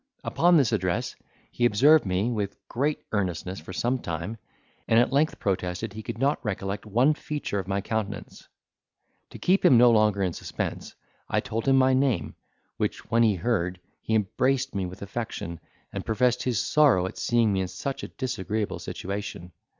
Upon this address he observed me with great earnestness for some time, and at length protested he could not recollect one feature of my countenance. To keep him no longer in suspense, I told him my name, which when he heard, he embraced me with affection, and professed his sorrow at seeing me in such a disagreeable situation.